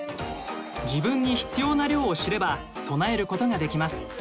自分に必要な量を知れば備えることができます。